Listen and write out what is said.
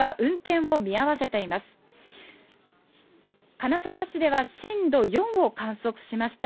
金沢市では震度４を観測しました。